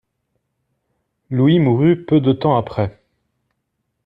Louis mourut peu de temps après.